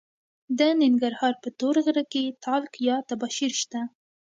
د ننګرهار په تور غره کې تالک یا تباشیر شته.